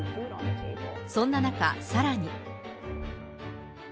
そんな中、さらに。